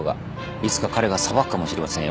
いつか彼が裁くかもしれませんよ